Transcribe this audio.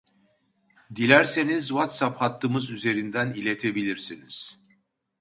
Dilerseniz WhatsApp hattımız üzerinden iletebilirsiniz